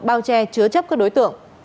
bao che chứa chấp các đối tượng